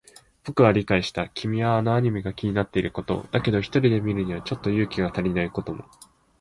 僕は理解した。君はあのアニメが気になっていることを。だけど、一人で見るにはちょっと勇気が足りないことも。